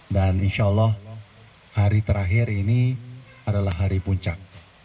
dan insya allah hari terakhir ini adalah hari puncak